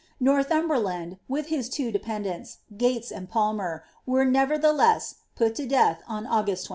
Northumberland, with his two depeiidanLs, Uatea and Pulmeri were nevertheleia pul tu death on August 'i2.